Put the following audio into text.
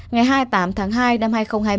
ngày hai mươi tám tháng hai năm hai nghìn hai mươi